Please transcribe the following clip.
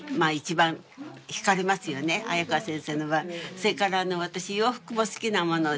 それから私洋服も好きなもので。